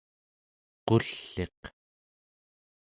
qull'iq